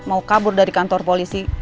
mau kabur dari kantor polisi